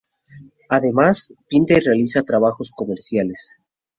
Además pinta y realiza trabajos comerciales.